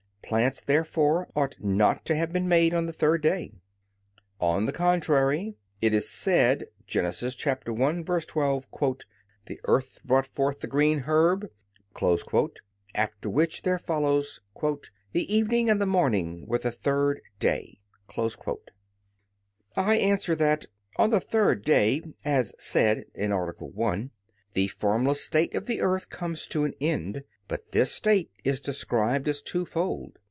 Plants, therefore, ought not to have been made on the third day. On the contrary, It is said (Gen. 1:12): "The earth brought forth the green herb," after which there follows, "The evening and the morning were the third day." I answer that, On the third day, as said (A. 1), the formless state of the earth comes to an end. But this state is described as twofold.